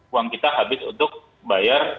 uang kita habis untuk bayar